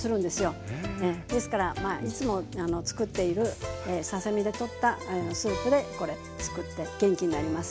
ですからまあいつもつくっているささ身でとったスープでこれつくって元気になります。